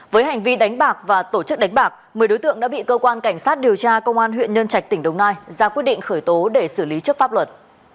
với hành vi đánh bạc và tổ chức đánh bạc một mươi đối tượng đã bị cơ quan cảnh sát điều tra công an huyện nhân trạch tỉnh đồng nai ra quyết định khởi tố để xử lý trước pháp luật